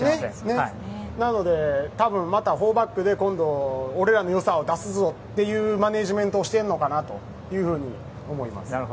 なので、多分また４バックで今度、俺らの良さを出すぞというマネージメントしているのかなと思います。